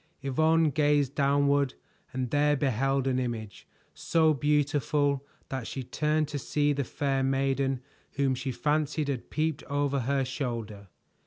Yvonne gazed downward and there beheld an image, so beautiful that she turned to see the fair maiden whom she fancied had peeped over her shoulder.